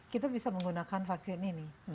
kita bisa menggunakan vaksin ini